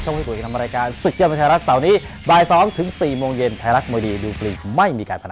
ช่องให้คุยกันทำมารายการศึกยามันไทยลักษณ์เสาร์นี้บ่าย๒๔โมงเย็นไทยลักษณ์มวยดีดูปริงไม่มีการพนัก